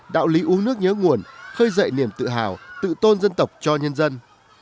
đạo lý uống nước nhớ nguồn khơi dậy niềm tự hào tự tôn dân tộc cho nhân dân